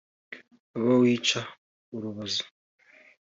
abo wica urubozo